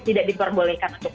tidak diperbolehkan untuk terbang